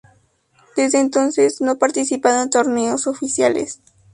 Desde entonces no ha participado en torneos oficiales.